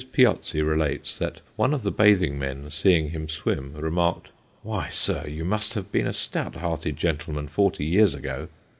Piozzi relates that one of the bathing men, seeing him swim, remarked, "Why, sir, you must have been a stout hearted gentleman forty years ago!"